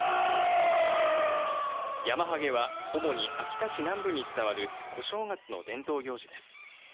ヤマハゲは主に秋田市南部に伝わる小正月の伝統行事です。